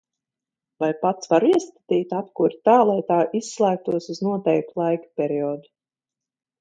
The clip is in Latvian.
Vai pats varu iestatīt apkuri tā, lai tā izslēgtos uz noteiktu laika periodu?